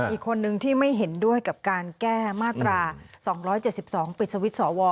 อีกคนนึงที่ไม่เห็นด้วยกับการแก้มาตรา๒๗๒ปิดสวิตช์สว